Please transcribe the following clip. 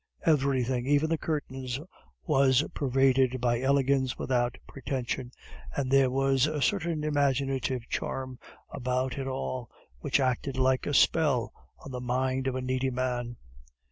Everything, even the curtains, was pervaded by elegance without pretension, and there was a certain imaginative charm about it all which acted like a spell on the mind of a needy man.